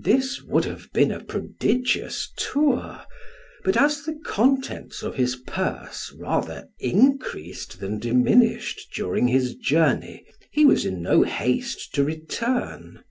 This would have been a prodigious tour; but as the contents of his purse rather increased than diminished during his journey, he was in no haste to return.